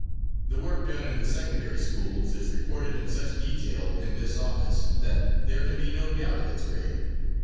The work done in the secondary schools is reported in such detail in this office, that there can be no doubt of its grade."